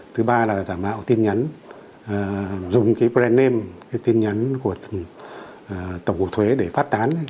thứ ba là giả mạo tin nhắn dùng cái brand name cái tin nhắn của tổng cục thuế để phát tán